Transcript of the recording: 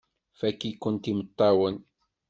Fakk-iken imeṭṭawen!